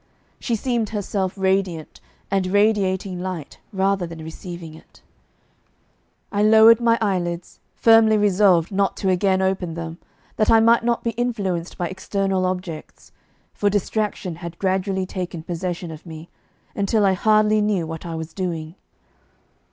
She seemed herself radiant, and radiating light rather than receiving it. I lowered my eyelids, firmly resolved not to again open them, that I might not be influenced by external objects, for distraction had gradually taken possession of me until I hardly knew what I was doing.